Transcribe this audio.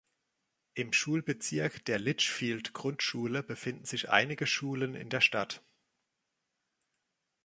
Im Schulbezirk der Litchfield-Grundschule befinden sich einige Schulen in der Stadt.